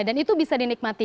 dan itu bisa dinikmati